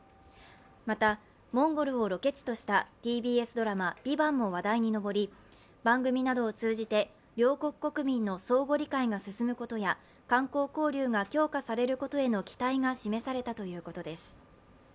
また、モンゴルをロケ地としたＴＢＳドラマ「ＶＩＶＡＮＴ」も話題に上り、番組などを通じて両国国民の相互理解が進むことや観光交流が強化されることへの期待が示されたということです。